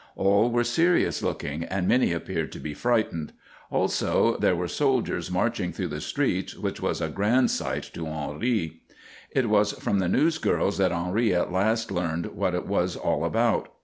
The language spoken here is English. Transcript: All were serious looking and many appeared to be frightened. Also there were soldiers marching through the streets, which was a grand sight to Henri. It was from the newsgirls that Henri at last learned what it was all about.